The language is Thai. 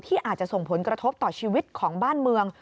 อาจจะส่งผลกระทบต่อชีวิตของบ้านเมือง